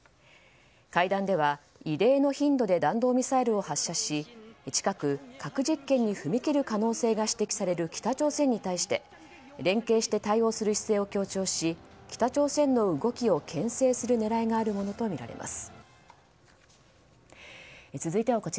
会談では異例の頻度で弾道ミサイルを発射し近く、核実験に踏み切る可能性が指摘される北朝鮮に対して連携して対応する姿勢を強調し北朝鮮の動きを牽制する狙いがあるものとみられます。